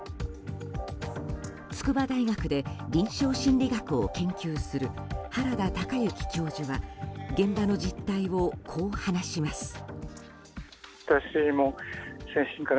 筑波大学で臨床心理学を研究する原田隆之教授は現場の実態をこう話します。